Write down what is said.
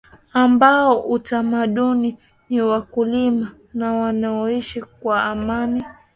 ambao utamaduni ni wakulima na wanaoishi kwa amani